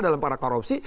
dalam para korupsi